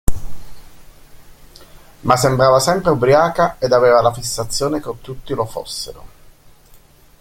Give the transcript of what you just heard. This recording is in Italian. Ma sembrava sempre ubriaca ed aveva la fissazione che tutti lo fossero.